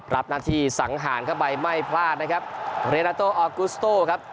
รับหน้าที่สังหารเข้าไปไม่พลาดนะครับครับ